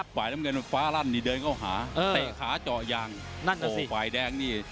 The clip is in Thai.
ให้เอาหันล่าง๓ที